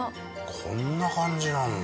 こんな感じなんだ。